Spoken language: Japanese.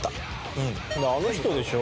あの人でしょ？